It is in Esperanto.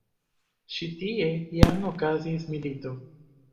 Ĉi tie jam okazis milito.